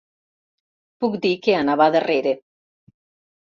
Puc dir que anava darrere.